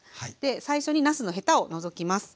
最初になすのヘタを除きます。